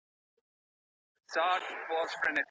که ګوتې حرکت وکړي نو دماغ ته پیغام ځي.